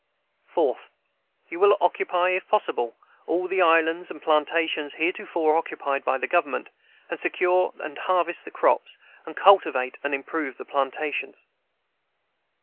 4th. You will occupy, if possible, all the islands and plantations heretofore occupied by the Government, and secure and harvest the crops, and cultivate and improve the plantations.